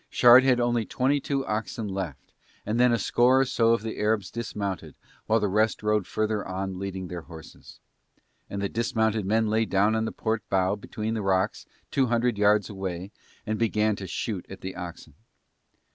Shard had only twenty two oxen left, and then a score or so of the Arabs dismounted while the rest rode further on leading their horses. And the dismounted men lay down on the port bow behind some rocks two hundred yards away and began to shoot at the oxen.